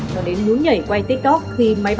cho đến núi nhảy quay tiktok